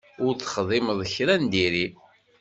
Ur texdimeḍ kra n diri.